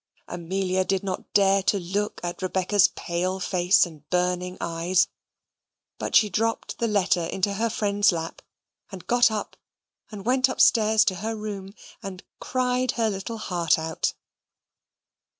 Amelia did not dare to look at Rebecca's pale face and burning eyes, but she dropt the letter into her friend's lap; and got up, and went upstairs to her room, and cried her little heart out.